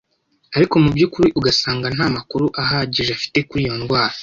ariko mu by’ukuri ugasanga nta makuru ahagije bafite kuri iyo ndwara.